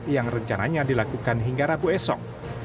yang rencananya dilakukan hingga rabu esok